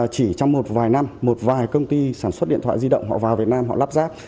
chỉ trong một vài năm một vài công ty sản xuất điện thoại di động họ vào việt nam họ lắp ráp